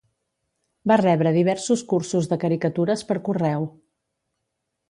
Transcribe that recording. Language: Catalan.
Va rebre diversos cursos de caricatures per correu.